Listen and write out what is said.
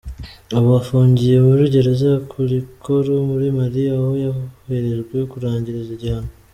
Ubu afungiye muri gereza ya Koulikoro muri Mali, aho yoherejwe kurangiriza igihano.